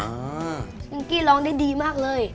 นิงกี้ร้องได้ดีมากเลย